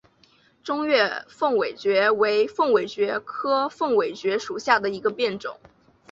中越凤尾蕨为凤尾蕨科凤尾蕨属下的一个变种。